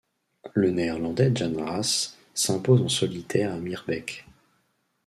Le Néerlandais Jan Raas s'impose en solitaire à Meerbeke.